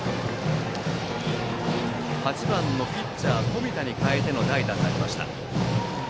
８番のピッチャー冨田に代えての代打になりました。